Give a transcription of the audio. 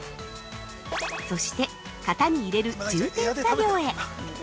そして、型に入れる充填作業へ。